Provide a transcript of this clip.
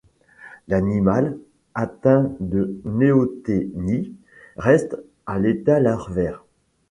L'animal, atteint de néoténie, reste à l'état larvaire.